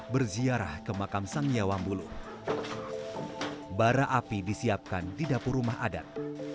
berziarah ke makam sang yawambulu bara api disiapkan di dapur rumah adat